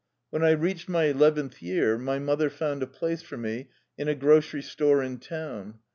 When I reached my eleventh year, my mother found a place for me in a grocery store in town.